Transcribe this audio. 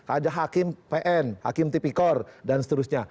ada hakim pn hakim tipikor dan seterusnya